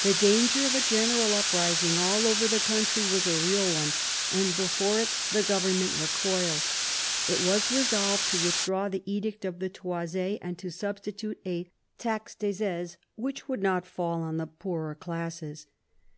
The danger of a general uprising all over the country was a real one, and before it the government recoiled. It was resolved to with draw the edict of the tois4, and to substitute a taxe des aises which would not fall on the poorer classes.